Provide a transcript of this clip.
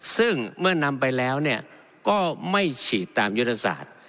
ซึ่งเมื่อนำไปแล้วก็ไม่ฉีดตามยุทธศาสตร์